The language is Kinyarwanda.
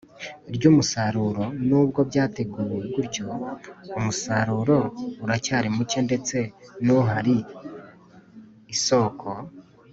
ry umusaruro Nubwo byateguwe gutyo umusaruro uracyari muke ndetse n uhari isoko